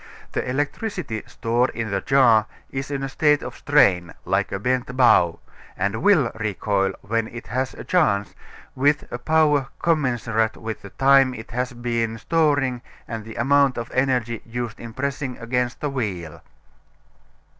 The electricity stored in the jar is in a state of strain, like a bent bow, and will recoil, when it has a chance, with a power commensurate with the time it has been storing and the amount of energy used in pressing against the wheel.